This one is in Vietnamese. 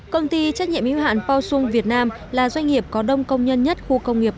công ty trách nhiệm yếu hạn pao sung việt nam là doanh nghiệp có đông công nhân nhất khu công nghiệp